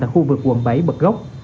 tại khu vực quận bảy bật gốc